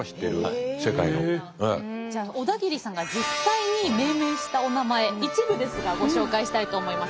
じゃあ小田切さんが実際に命名したおなまえ一部ですがご紹介したいと思います。